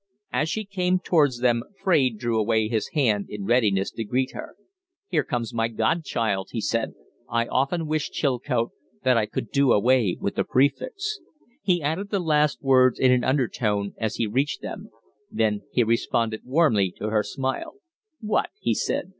As she came towards them, Fraide drew away his hand in readiness to greet her. "Here comes my godchild!" he said. "I often wish, Chilcote, that I could do away with the prefix." He added the last words in an undertone as he reached them; then he responded warmly to her smile. "What!" he said.